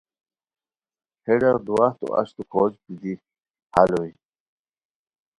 ہے ڈاق دواہتو اچتو کھوشت بیتی ہال ہوئے